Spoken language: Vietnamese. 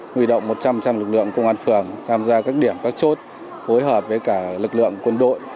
huy động một trăm linh lực lượng công an phường tham gia các điểm các chốt phối hợp với cả lực lượng quân đội